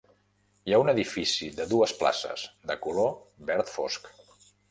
Hi ha un edifici de dues places, de color verd fosc.